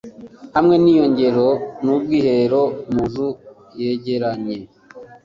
hamwe niyogero nubwiherero, munzu yegeranye .